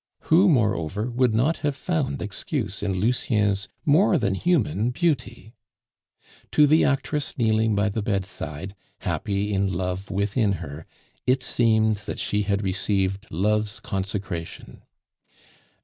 Who, moreover, would not have found excuse in Lucien's more than human beauty? To the actress kneeling by the bedside, happy in love within her, it seemed that she had received love's consecration.